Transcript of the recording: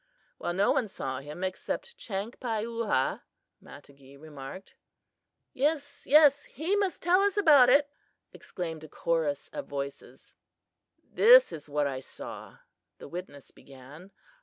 "Well, no one saw him except Chankpayuhah," Matogee remarked. "Yes, yes, he must tell us about it," exclaimed a chorus of voices. "This is what I saw," the witness began.